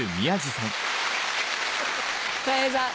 たい平さん。